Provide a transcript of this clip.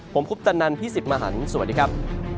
ผมคุปตันนันพี่สิบมหันสวัสดีครับ